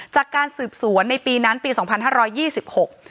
จากการสืบสวนในปีนั้นปีสองพันห้าร้อยยี่สิบหก